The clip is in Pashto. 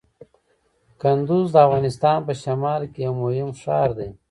کندز د افغانستان په شمال کې یو مهم ښار دی.